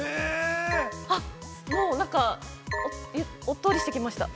あっ、もうなんかおっとりしてきました。